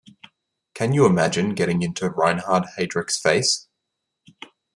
Can you imagine getting into Reinhard Heydrich's face?